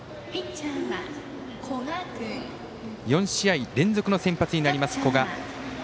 ４試合連続の先発になります古賀。